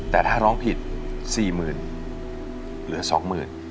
แต่ถ้าร้องผิดสี่หมื่นเหลือสองหมื่น